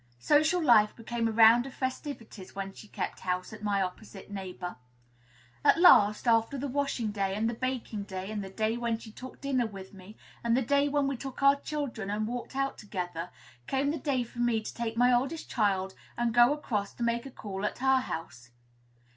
Social life became a round of festivities when she kept house as my opposite neighbor. At last, after the washing day, and the baking day, and the day when she took dinner with me, and the day when we took our children and walked out together, came the day for me to take my oldest child and go across to make a call at her house.